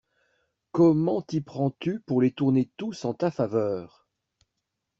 Comment t'y prends-tu pour les tourner tous en ta faveur!